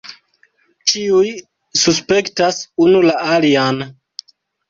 Ĉiuj suspektas unu la alian.